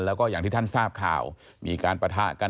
แล้วก็อย่างที่ท่านทราบข่าวมีการปะทะกัน